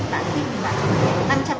bạn thích thì bạn thích